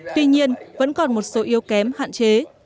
tuy nhiên vẫn còn một số yếu kém hạn chế